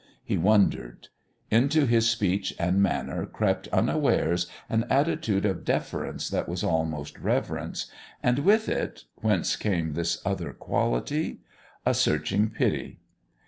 He wondered. Into his speech and manner crept unawares an attitude of deference that was almost reverence, and with it whence came this other quality? a searching pity.